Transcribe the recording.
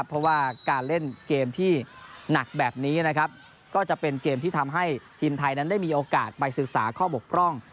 เพราะว่าการเล่นเกมที่หนักแบบนี้นะครับก็จะเป็นเกมที่ทำให้ทีมไทยนั้นได้มีโอกาสไปศึกษาข้อบกพร่อง